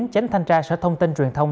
chánh thanh tra sở thông tin truyền thông